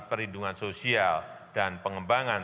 perlindungan sosial dan pengembangan